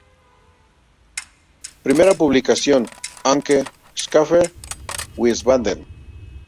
Primera publicación, Anke Schäfer, Wiesbaden.